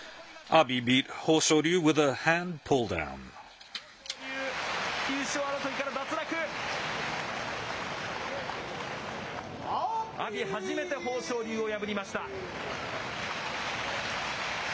阿炎、初めて豊昇龍を破りました。